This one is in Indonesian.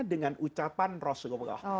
dengan ucapan rasulullah